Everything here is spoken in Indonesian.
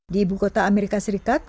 di ibu kota amerika serikat